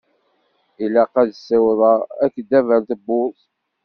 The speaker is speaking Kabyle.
Ilaq ad ssiwḍeɣ akeddab ar tewwurt.